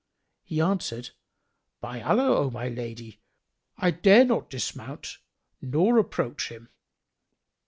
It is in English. He answered, "By Allah, O my lady, I dare not dismount nor approach him."